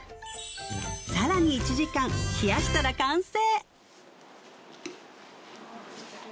さらに１時間冷やしたら完成！